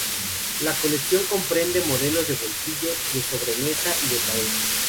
La colección comprende modelos de bolsillo, de sobremesa y de pared.